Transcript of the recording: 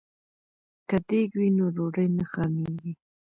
که دیګ وي نو ډوډۍ نه خامېږي.